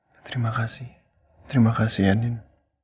terima kasih terima kasih ya din